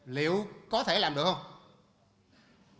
liệu có thể làm được không